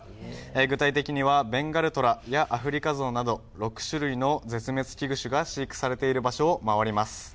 具体的にはベンガルトラやアフリカゾウなど６種類の絶滅危惧種が飼育されている場所を回ります。